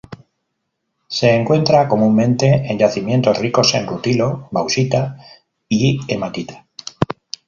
Se encuentra comúnmente en yacimientos ricos en rutilo, bauxita y hematita.